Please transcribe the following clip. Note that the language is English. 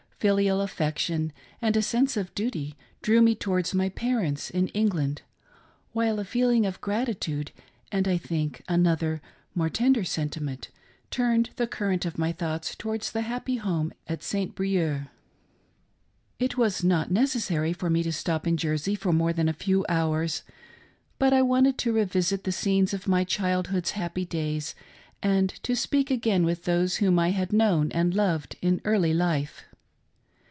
Filial affection and a sense of duty drew me towards my parents in England ; while a feeling of gratitude, and, I think, another and more tender sentiment, turned the current of my thoughts towards the happy home at St. Brieux. It was not necessary for me to stop in Jersey for more than a few hours, but I wanted to revisit the scenes of my child hood's happy days and to speak again with those whom I had known and loved in early life.